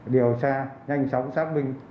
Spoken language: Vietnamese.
điều tra nhanh chóng xác minh